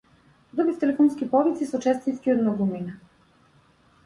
Добив телефонски повици со честитки од многумина.